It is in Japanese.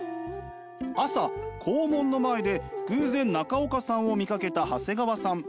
朝校門の前で偶然中岡さんを見かけた長谷川さん。